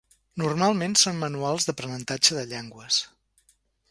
Normalment, són manuals d'aprenentatge de llengües.